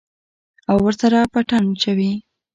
او ورسره پټن چوي.